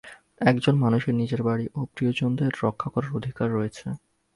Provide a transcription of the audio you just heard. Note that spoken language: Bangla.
একজন মানুষের নিজের বাড়ি ও প্রিয়জনদের রক্ষা করার অধিকার রয়েছে।